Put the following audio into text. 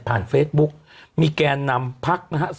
ผ่านเฟซบุ๊กมีแกนนำพรรคนะฮะ